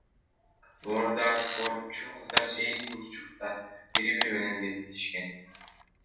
Мурда спортчу кыздар сегиз бурчтукта бири бири менен беттешкен.